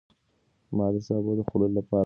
ما د سابو د خوړلو لپاره له کوربه اجازه وغوښته.